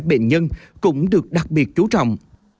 bệnh nhân cũng được đặc biệt chú trọng